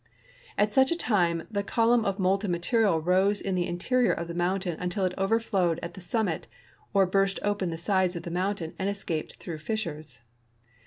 At such a time the col umn of molten material rose in the interior of the mountain until it overflowed at the summit or burst open the sides of the moun tain and escaped through fissures.